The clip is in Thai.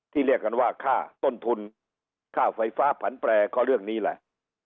เรียกกันว่าค่าต้นทุนค่าไฟฟ้าผันแปรก็เรื่องนี้แหละ